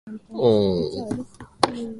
おーん